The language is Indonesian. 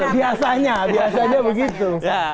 biasanya biasanya begitu